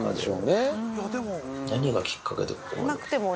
何がきっかけで。